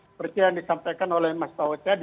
seperti yang disampaikan oleh pak tauhud tadi